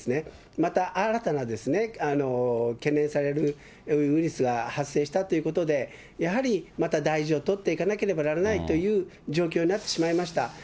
また新たな懸念されるウイルスが発生したということで、やはりまた大事を取っていかなければならないという状況になってしまいました。